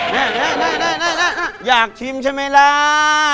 นี่อยากชิมใช่ไหมล่ะ